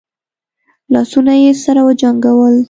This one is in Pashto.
لاسونه يې سره وجنګول.